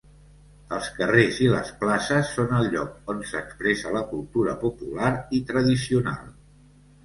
Els carrers i les places són el lloc on s’expressa la cultura popular i tradicional.